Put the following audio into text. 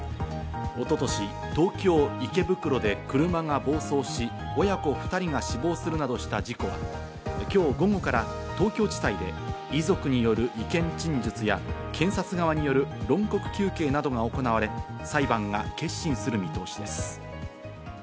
一昨年、東京・池袋で車が暴走し、親子２人が死亡するなどした事故で、今日午後から東京地裁で遺族による意見陳述や、検察側による論告求刑などが行われ、裁判が結審する見通しです。